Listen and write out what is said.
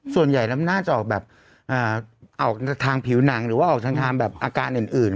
ส่วนใหญ่แล้วมันน่าจะออกแบบออกทางผิวหนังหรือว่าออกทางแบบอาการอื่น